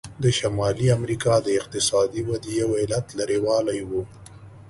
د شمالي امریکا د اقتصادي ودې یو علت لرې والی و.